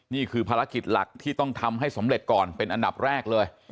นี่คือภารกิจหลักที่ต้องทำให้สำเร็จก่อนเป็นอันดับแรกเลย